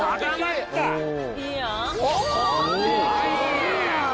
いいやん！